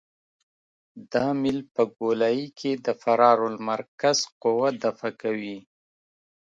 دا میل په ګولایي کې د فرار المرکز قوه دفع کوي